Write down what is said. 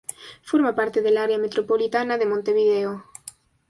Forma parte del área Metropolitana de Montevideo.